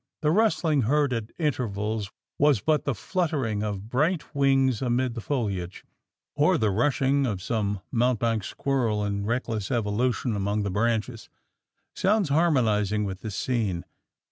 The rustling heard at intervals, was but the fluttering of bright wings amid the foliage; or the rushing of some mountebank squirrel in reckless evolution among the branches sounds harmonising with the scene.